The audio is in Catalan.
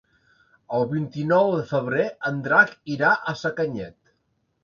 El vint-i-nou de febrer en Drac irà a Sacanyet.